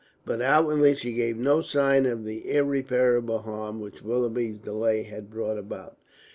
But outwardly she gave no sign of the irreparable harm which Willoughby's delay had brought about.